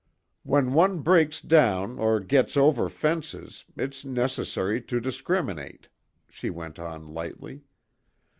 "When one breaks down or gets over fences, it's necessary to discriminate," she went on lightly.